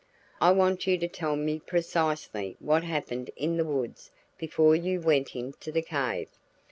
I want you to tell me precisely what happened in the woods before you went into the cave.